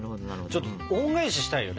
ちょっと恩返ししたいよね。